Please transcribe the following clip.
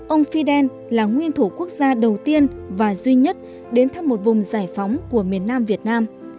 ông fidel là nguyên thủ quốc gia đầu tiên và duy nhất đến thăm một vùng giải phóng của miền nam việt nam